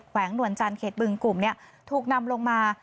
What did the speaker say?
วงหนวลจันทร์เขตบึงกลุ่มถูกนำลงมา